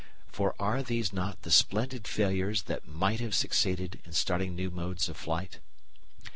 For are these not the splendid failures that might have succeeded in starting new modes of flight?